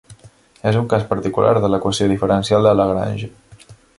És un cas particular de l'equació diferencial de Lagrange.